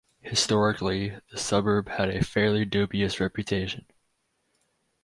Historically, the suburb had a fairly dubious reputation.